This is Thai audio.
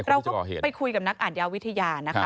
เราก็ไปคุยกับนักอ่านยาวิทยานะคะ